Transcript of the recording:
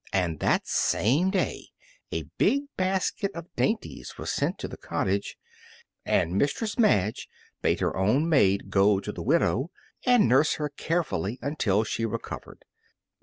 And that same day a big basket of dainties was sent to the cottage, and Mistress Madge bade her own maid go to the widow and nurse her carefully until she recovered.